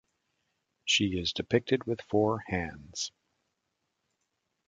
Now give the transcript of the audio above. She is depicted with four hands.